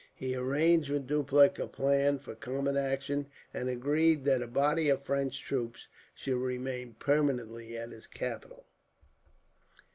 He arranged with Dupleix a plan for common action, and agreed that a body of French troops should remain permanently at his capital."